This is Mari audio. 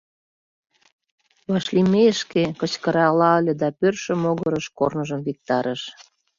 Вашлиймешке! — кычкыралале да пӧртшӧ могырыш корныжым виктарыш.